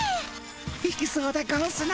いきそうでゴンスな。